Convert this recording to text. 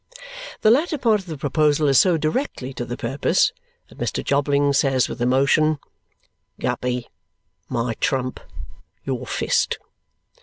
The latter part of the proposal is so directly to the purpose that Mr. Jobling says with emotion, "Guppy, my trump, your fist!"